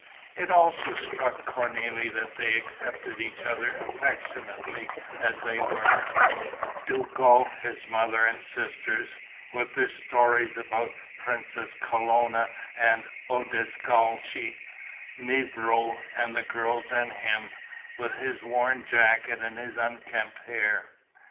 It also struck Cornélie that they accepted each other affectionately as they were: Duco, his mother and sisters, with their stories about the Princesses Colonna and Odescalchi; mevrouw and the girls and him, with his worn jacket and his unkempt hair.